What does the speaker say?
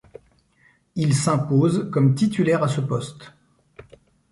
Il s'impose comme titulaire à ce poste.